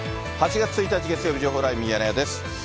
８月１日月曜日、情報ライブミヤネ屋です。